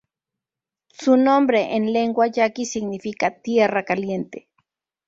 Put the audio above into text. Su nombre en lengua yaqui significa "Tierra Caliente".